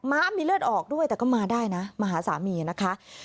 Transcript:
้ามีเลือดออกด้วยแต่ก็มาได้นะมาหาสามีนะคะ